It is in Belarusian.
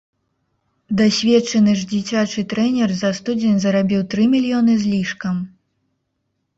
Дасведчаны ж дзіцячы трэнер за студзень зарабіў тры мільёны з лішкам.